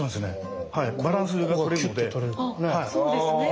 そうですね。